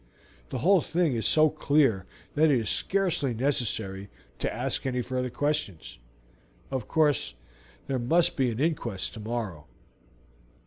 The whole thing is so clear that it is scarcely necessary to ask any further questions. Of course, there must be an inquest tomorrow.